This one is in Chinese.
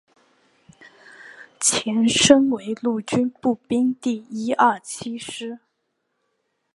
前身为陆军步兵第一二七师